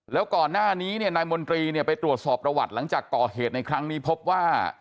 แล้วก่อนหน้านี้เนี่ยนายมนตรีเนี่ยไปตรวจสอบประวัติหลังจากก่อเหตุในครั้งนี้พบว่า